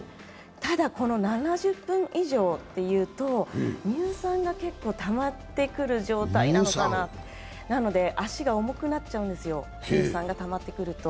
ただ、この７０分以上というと、乳酸が結構たまってくる状態なのかな、足が重くなっちゃうんですよ、乳酸がたまってくると。